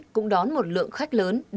cũng đón một lượng khách lớn và nhiều khách lớn